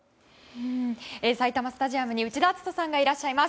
埼玉スタジアムに内田篤人さんがいらっしゃいます。